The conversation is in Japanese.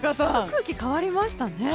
空気変わりましたね。